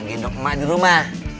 gendong emak di rumah